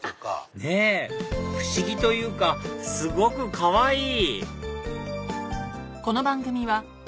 ねぇ不思議というかすごくかわいい！